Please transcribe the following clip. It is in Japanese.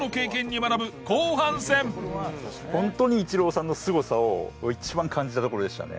ホントにイチローさんのすごさを一番感じたところでしたね。